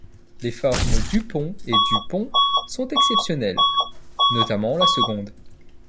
Les formes Dupond et Du Pont sont exceptionnelles, notamment la seconde.